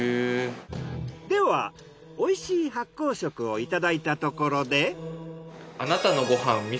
では美味しい発酵食をいただいたところで。